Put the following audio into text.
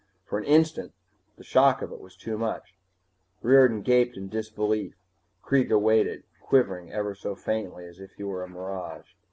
For an instant, the shock of it was too much; Riordan gaped in disbelief. Kreega waited, quivering ever so faintly as if he were a mirage.